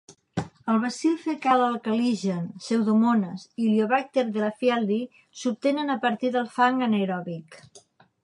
El "bacil fecals alcaligen", "pseudomonas" i "illyobacter delafieldi" s'obtenen a partir del fang anaeròbic.